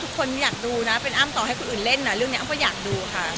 คนอยากดูนะเป็นอ้ำต่อให้คนอื่นเล่นนะเรื่องนี้อ้ำก็อยากดูค่ะ